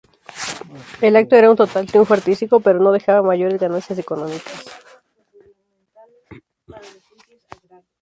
El acto era un total triunfo artístico, pero no dejaba mayores ganancias económicas.